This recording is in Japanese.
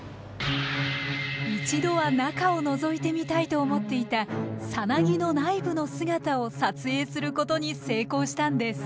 一度は中をのぞいてみたいと思っていた蛹の内部の姿を撮影することに成功したんです。